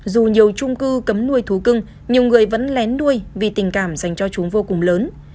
dù nhiều trung cư cấm nuôi thú cưng nhiều người vẫn lén nuôi vì tình cảm dành cho chúng vô cùng lớn